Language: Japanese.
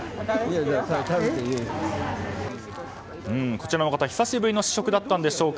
こちらの方、久しぶりの試食だったんでしょうか。